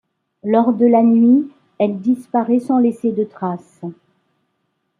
Lors de la nuit elle disparait sans laisser de traces...